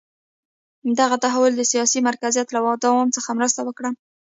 دغه تحول د سیاسي مرکزیت له دوام سره مرسته وکړه.